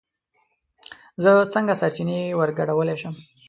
زه څنگه سرچينې ورگډولی شم